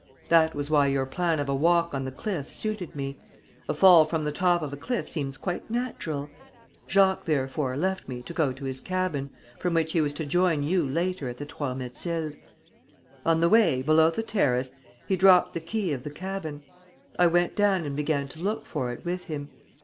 That was why your plan of a walk on the cliff suited me.... A fall from the top of a cliff seems quite natural ... Jacques therefore left me to go to his cabin, from which he was to join you later at the Trois Mathildes. On the way, below the terrace, he dropped the key of the cabin. I went down and began to look for it with him